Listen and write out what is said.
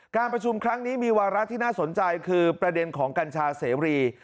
การประชุมครั้งนี้มีวาระที่น่าสนใจคือประเด็นของกัญชาเสรี